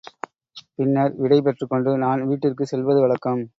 பின்னர் விடை பெற்றுக்கொண்டு நான் வீட்டிற்கு செல்வது வழக்கம்.